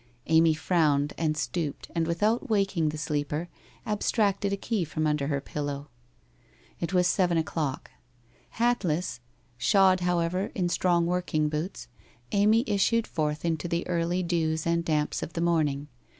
Amy frowned and stooped, and without waking the sleeper abstracted a key from under her pillow. It was seven o'clock. Hatless, shod, however in strong working boots, Amy issued forth into the early dews and damps of the morning.